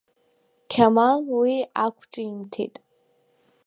Қьамал уи ақәҿимҭит.